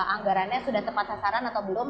anggarannya sudah tepat sasaran atau belum